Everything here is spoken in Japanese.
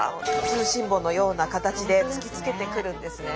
通信簿のような形で突きつけてくるんですね。